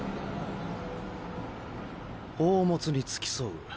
「宝物に付き添う。